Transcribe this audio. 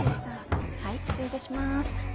はい失礼いたします。